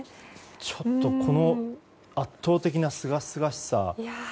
ちょっとこの圧倒的なすがすがしさ。